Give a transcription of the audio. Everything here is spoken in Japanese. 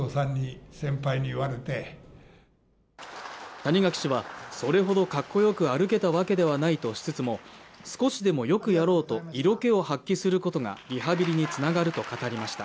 谷垣氏は、それほどかっこよく歩けたわけではないとしつつも、少しでもよくやろうと色気を発揮することがリハビリにつながると語りました。